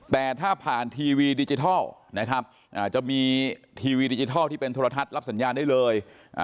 แต่ถ้าผ่านทีวีดิจิทัลนะครับจะมีทีวีดิจิทัลที่เป็นโทรทัศน์รับสัญญาณได้เลย